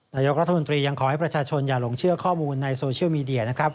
นายกรัฐมนตรียังขอให้ประชาชนอย่าหลงเชื่อข้อมูลในโซเชียลมีเดียนะครับ